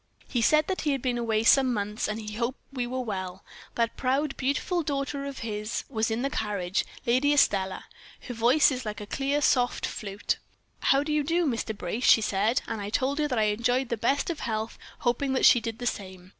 "He said that he had been away some months, and he hoped we were all well. That proud, beautiful daughter of his was in the carriage, Lady Estelle; her voice is like a clear, soft flute. 'How do you do, Mr. Brace?' she said, and I told her that I enjoyed the best of health, hoping that she did the same."